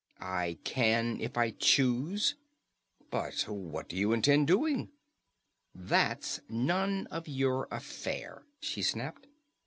"I can if I choose." "But what do you intend doing?" "That's none of your affair," she snapped.